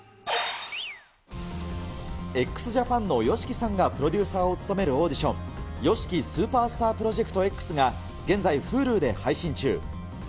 ＸＪＡＰＡＮのＹＯＳＨＩＫＩさんが、プロデューサーを務めるオーディション、ＹＯＳＨＩＫＩＳＵＰＥＲＳＴＡＲＰＲＯＪＥＣＴＸが、現在、Ｈｕｌｕで配信中。